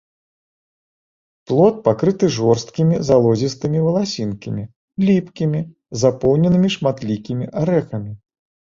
Плод пакрыты жорсткімі залозістымі валасінкамі, ліпкімі, запоўненымі шматлікімі арэхамі.